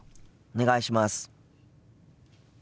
お願いします。